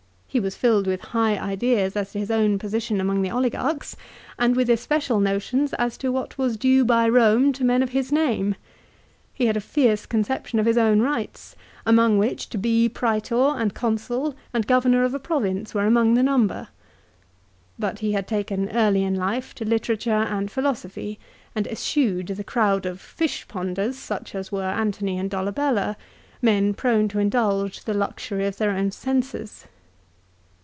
He was filled with high ideas as to his own position among the oligarchs, and with especial notions as to what was due by Borne to men of his name. He had a fierce conception of his own rights, among which to be Prsetor, and Consul, and Governor of a Province were among the number. But he had taken early in life to literature and philosophy, and eschewed the crowd of " Fishponders," such as were Antony and Dolabella, men prone to indulge the luxury of their own senses.